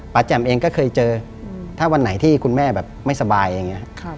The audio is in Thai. แจ่มเองก็เคยเจอถ้าวันไหนที่คุณแม่แบบไม่สบายอย่างนี้